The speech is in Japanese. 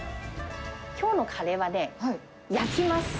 きょうのカレーはね、焼きます。